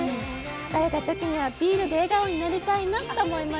疲れた時にはビールで笑顔になりたいなって思いました。